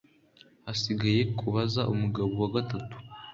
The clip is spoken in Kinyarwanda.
hasigaye kubaza umugabo wa gatatu